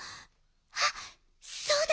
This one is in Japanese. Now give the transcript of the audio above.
あっそうだわ。